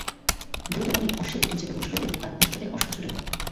দ্রুতগামী অশ্বের পিঠে চেপে বসল এবং তার পশ্চাতে অশ্ব ছুটাল।